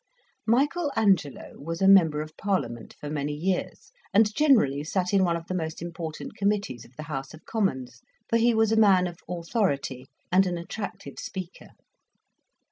Michael Angelo was a Member of Parliament for many years, and generally sat in one of the most important committees of the House of Commons; for he was a man of authority and an attractive speaker.